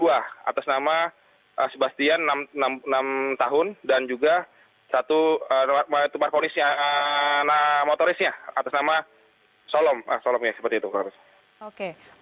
atas nama sebastian enam tahun dan juga satu motorisnya atas nama solom